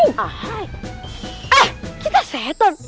eh kita setan